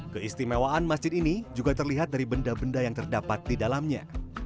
keistimewaan masjid ini juga terlihat dari benda benda yang terdapat di dalamnya